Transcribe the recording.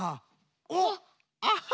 おっアハ！